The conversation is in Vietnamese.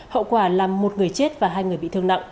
hậu quả là một người chết và hai người bị thương